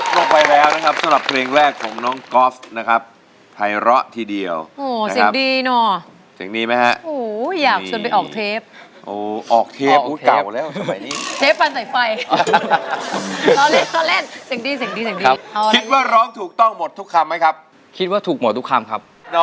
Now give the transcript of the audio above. แต่จนกลอดขอแล้วกับสนุกค่ะ